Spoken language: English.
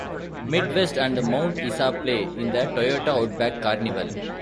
Mid West and Mount Isa play in the Toyota Outback Carnival.